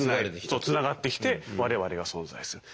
そうつながってきて我々が存在する。